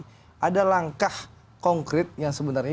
jadi langkah konkret yang sebenarnya